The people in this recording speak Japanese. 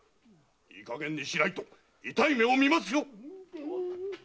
いい加減にしないと痛い目をみますよ。